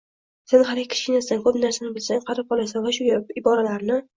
“Sen hali kichkinasan”, “Ko‘p narsani bilsang, qarib qolasan” va shu kabi iboralarni